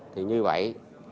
thì như vậy